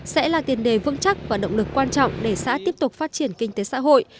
sẽ là tiền đề vững chắc và động lực quan trọng để xã tiếp tục phát triển kinh tế xã hội